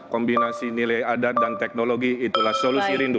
kombinasi nilai adat dan teknologi itulah solusi rindu